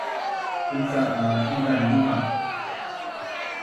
uka’ a Ival lumaq